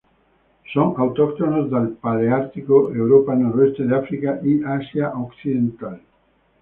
Son autóctonos del paleártico: Europa, noroeste de África, y Asia occidental.